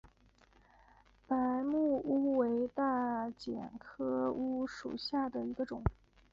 白木乌桕为大戟科乌桕属下的一个种。